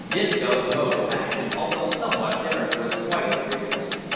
Disco's mode of action, although somewhat different was quite as vigorous.